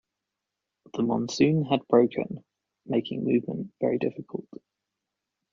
The monsoon had broken, making movement very difficult.